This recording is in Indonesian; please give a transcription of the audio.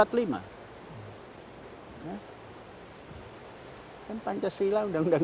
kan pancasila undang undang